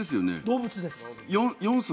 動物です